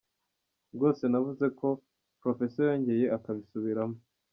Rwose navuze ko, Professor yongeye akabisubiramo.